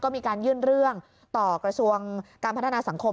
มีการยื่นเรื่องต่อกระทรวงการพัฒนาสังคม